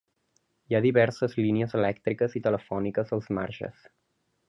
Hi ha diverses línies elèctriques i telefòniques als marges.